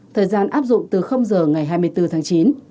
thời gian áp dụng từ giờ ngày hai mươi bốn tháng chín